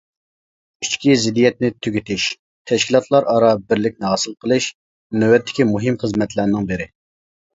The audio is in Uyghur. ئىچكى زىددىيەتنى تۈگىتىش، تەشكىلاتلار ئارا بىرلىكنى ھاسىل قىلىش نۆۋەتتىكى مۇھىم خىزمەتلەرنىڭ بىرى.